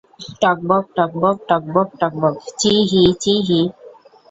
টগবগ টগবগ টগবগ টগবগ, চিঁহি চিঁহি।